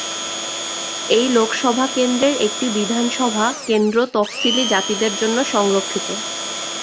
এই লোকসভা কেন্দ্রের একটি বিধানসভা কেন্দ্র তফসিলী জাতিদের জন্য সংরক্ষিত।